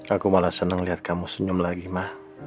aku malah seneng liat kamu senyum lagi ma